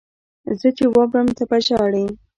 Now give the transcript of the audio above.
زه چې ومرم ته به ژاړې